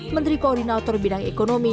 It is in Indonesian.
menteri koordinator bidang ekonomi